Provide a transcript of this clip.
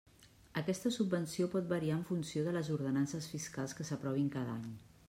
Aquesta subvenció pot variar en funció de les ordenances fiscals que s'aprovin cada any.